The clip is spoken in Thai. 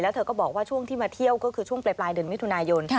เธอก็บอกว่าช่วงที่มาเที่ยวก็คือช่วงปลายเดือนมิถุนายน